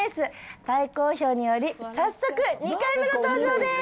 大好評により、早速２回目の登場です。